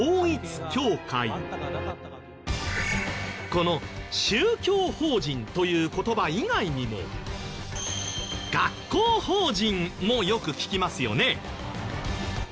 この「宗教法人」という言葉以外にも「学校法人」もよく聞きますよね。